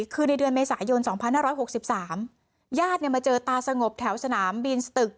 คือในเดือนเมษายนสองพันหน้าร้อยหกสิบสามญาติเนี่ยมาเจอตาสงบแถวสนามบินสตึก